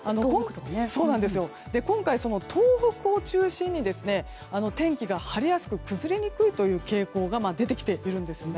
今回、東北を中心に天気が晴れやすく崩れにくいという傾向が出てきているんです。